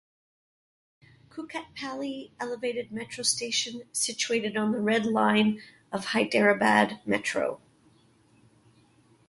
Kukatpally elevated metro station situated on the Red Line of Hyderabad Metro.